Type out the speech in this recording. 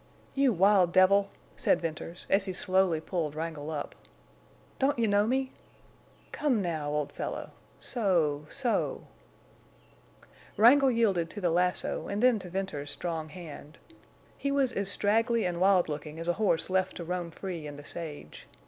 "You wild devil," said Venters, as he slowly pulled Wrangle up. "Don't you know me? Come now—old fellow—so—so—" Wrangle yielded to the lasso and then to Venters's strong hand. He was as straggly and wild looking as a horse left to roam free in the sage.